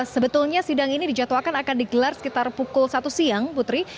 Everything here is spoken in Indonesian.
sebetulnya sidang ini dijadwalkan akan digelar sekitar pukul satu siang putri